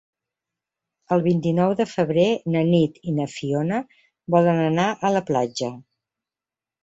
El vint-i-nou de febrer na Nit i na Fiona volen anar a la platja.